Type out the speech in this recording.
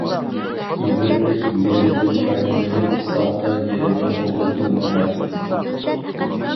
ئىبرەتلىك يېرىدىن پايدىلىنىپ ساختا يېرىنى قوبۇل قىلماڭلار.